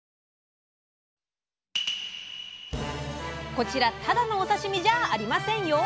こちらただのお刺身じゃありませんよ。